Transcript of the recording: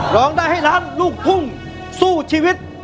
ร้องได้ให้ล้านลูกทุ่งสู้ชีวิต